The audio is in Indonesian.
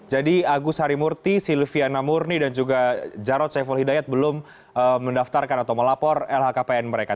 jadi agus harimurti silviana murni dan juga jarod saiful hidayat belum mendaftarkan atau melapor lhkpn mereka